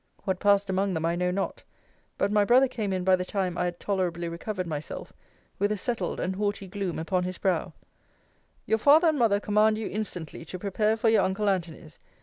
What passed among them, I know not: but my brother came in by the time I had tolerably recovered myself, with a settled and haughty gloom upon his brow Your father and mother command you instantly to prepare for your uncle Antony's.